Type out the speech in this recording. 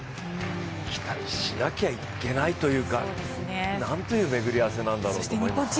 期待しなきゃいけないというか、なんという巡り合わせなんだろうと思います。